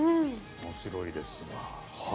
面白いですね。